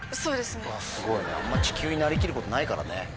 あんま地球になりきることないからね。